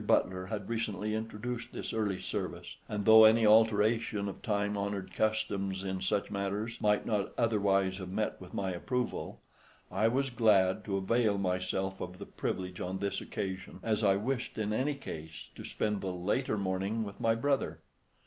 Butler had recently introduced this early service, and though any alteration of time honoured customs in such matters might not otherwise have met with my approval, I was glad to avail myself of the privilege on this occasion, as I wished in any case to spend the later morning with my brother.